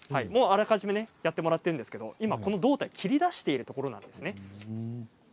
もうあらかじめやってもらっているんですけど今この胴体を切り出しているところです。